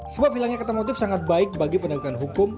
sebab hilangnya kata motif sangat baik bagi penegakan hukum